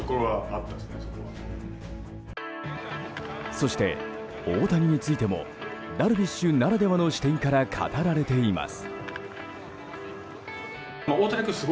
そして、大谷についてもダルビッシュならではの視点から語られています。